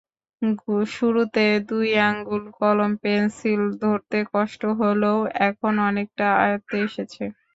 শুরুতে দুই আঙুলে কলম-পেনসিল ধরতে কষ্ট হলেও এখন অনেকটা আয়ত্তে এসেছে।